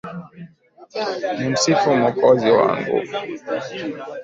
Nimsifu Mwokozi wangu.